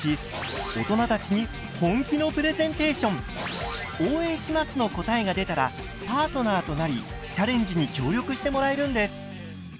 番組では「応援します」の答えが出たらパートナーとなりチャレンジに協力してもらえるんです。